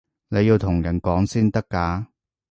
你要同人講先得㗎